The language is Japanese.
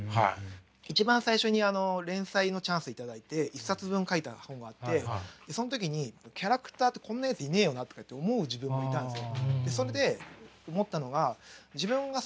一番最初にあの連載のチャンス頂いて１冊分描いた本があってその時にキャラクターってこんなやついねえよなとかって思う自分もいたんですよ。